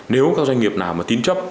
nếu các doanh nghiệp nào mà tín chấp